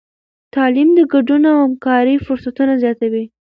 تعلیم د ګډون او همکارۍ فرصتونه زیاتوي.